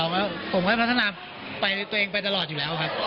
ผมบอกว่าคุณนี่ถึงปล่อยพัฒนาตัวไปตัวเองไปตลอดอยู่แล้วครับ